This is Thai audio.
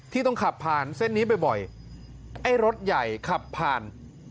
ต้องขับผ่านเส้นนี้บ่อยไอ้รถใหญ่ขับผ่าน